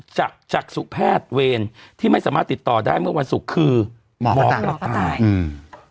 จากจากสุแพทย์เวรที่ไม่สามารถติดต่อได้เมื่อวันศุกร์คือหมอกระต่ายอืม